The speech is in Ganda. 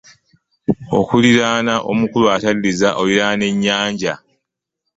Okuliraana omukulu ataddiza, oliraana ennyanja